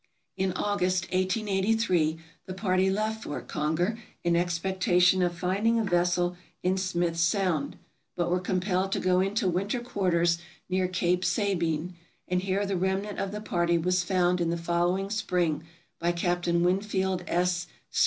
In August, 1883, the party left Fort Conger, in expectation of finding a vessel in Smith Sound, but were compelled to go into winter quarters near Cape Sabine, and here the remnant of 456 TRAVELERS AND EXPLORERS the party was found in the following spring by Captain Winfield S.